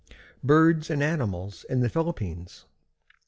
BIRDS AND ANIMALS IN THE PHILIPPINES.